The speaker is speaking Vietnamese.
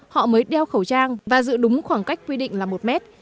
họ mới đeo khẩu trang và giữ đúng khoảng cách quy định là một mét